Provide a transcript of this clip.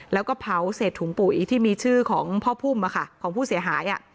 แล้วก็เผาเศษถุงปุ๋ยที่มีชื่อของพ่อพุ่มของผู้เสียหาย